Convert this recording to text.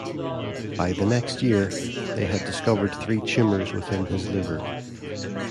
By the next year, they had discovered three tumors within his liver.